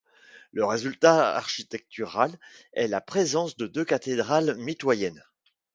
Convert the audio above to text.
Le résultat architectural est la présence de deux cathédrales mitoyennes.